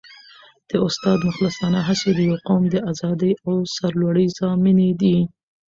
د استاد مخلصانه هڅې د یو قوم د ازادۍ او سرلوړۍ ضامنې دي.